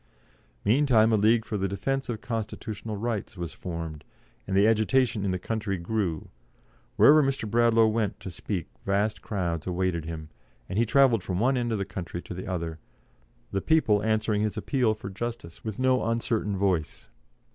Meantime, a League for the Defence of Constitutional Rights was formed, and the agitation in the country grew: wherever Mr. Bradlaugh went to speak vast crowds awaited him, and he travelled from one end of the country to the other, the people answering his appeal for justice with no uncertain voice.